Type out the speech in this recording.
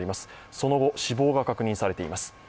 その後、死亡が確認されています。